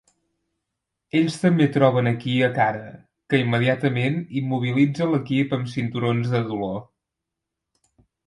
Ells també troben aquí a Kara, que immediatament immobilitza l"equip amb cinturons de dolor.